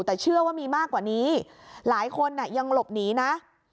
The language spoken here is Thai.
แต่เชื่อว่ามีมากกว่านี้หลายคนยังหลบหนีนะ